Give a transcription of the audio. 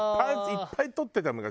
いっぱい撮ってた昔。